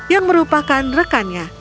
yang merupakan rekannya